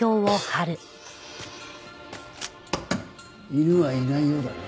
犬はいないようだね。